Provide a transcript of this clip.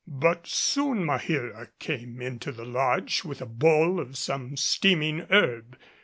But soon Maheera came into the lodge with a bowl of some steaming herb.